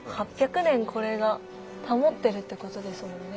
８００年これが保ってるってことですもんね。